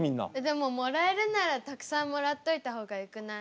でももらえるんならたくさんもらっといた方がよくない？